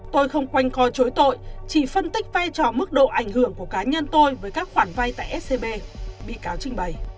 tôi không quanh co chối tội chỉ phân tích vai trò mức độ ảnh hưởng của cá nhân tôi với các khoản vay tại scb bị cáo trình bày